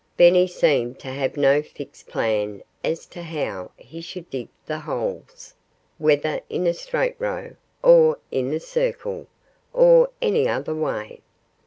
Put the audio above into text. Benny seemed to have no fixed plan as to how he should dig the holes whether in a straight row, or in a circle, or any other way.